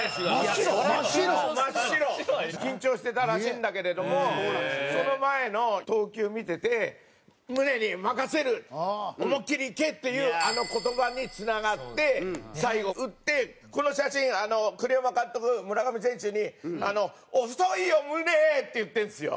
緊張してたらしいんだけれどもその前の投球見てて「ムネに任せる。思いっきりいけ！」っていうあの言葉につながって最後打ってこの写真栗山監督村上選手に「遅いよムネ！」って言ってるんすよ。